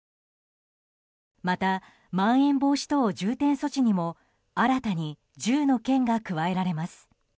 また、まん延防止等重点措置にも新たに１０の県が加えられます。